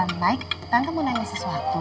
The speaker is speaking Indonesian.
naik tante mau nanya sesuatu